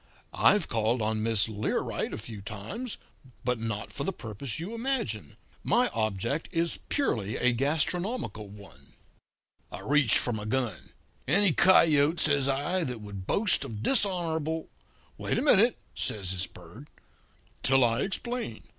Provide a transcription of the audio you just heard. I've called on Miss Learight a few times; but not for the purpose you imagine. My object is purely a gastronomical one.' "I reached for my gun. "'Any coyote,' says I, 'that would boast of dishonourable ' "'Wait a minute,' says this Bird, 'till I explain.